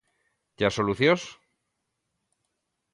E as solucións?